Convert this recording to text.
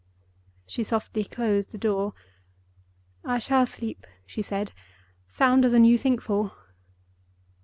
She softly closed the door. "I shall sleep," she said, "sounder than you think for."